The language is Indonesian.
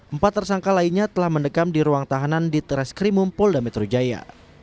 empat tersangka lainnya telah mendekam di ruang tahanan di teras krimum polda metro jaya